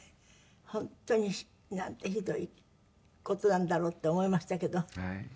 本当になんてひどい事なんだろうって思いましたけど。